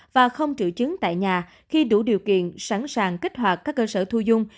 và không triệu chứng tại nhà khi đủ điều kiện sẵn sàng kích hoạt các cơ sở thu dung